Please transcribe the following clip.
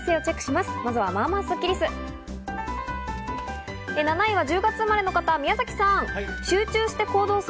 まずは、まあまあスッキりす。